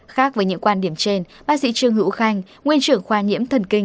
khác với những quan điểm trên bác sĩ trương hữu khanh nguyên trưởng khoa nhiễm thần kinh